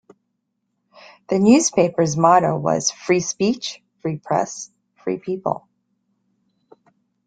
The newspaper's motto was "Free Speech, Free Press, Free People".